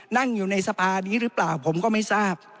นั่งอยู่ในสภานี้หรือเปล่าผมก็ไม่ทราบ